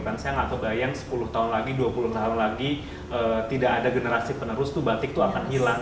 kan saya nggak kebayang sepuluh tahun lagi dua puluh tahun lagi tidak ada generasi penerus tuh batik tuh akan hilang